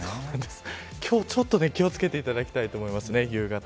今日ちょっと気を付けていただきたいと思います。